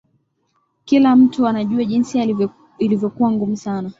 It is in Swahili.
kila mtu anajua jinsi ilivyokuwa ngumu sana